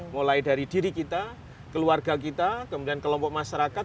mulai dari diri kita keluarga kita kemudian kelompok masyarakat